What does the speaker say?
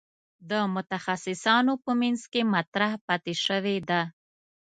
د متخصصانو په منځ کې مطرح پاتې شوې ده.